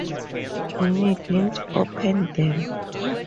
You needn't open them.